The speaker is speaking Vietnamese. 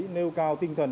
nêu cao tinh thần